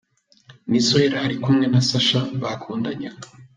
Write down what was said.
Nizzo yari ari kumwe na Sacha bakundanyeho.